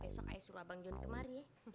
besok ayo suruh abang jon kemari ya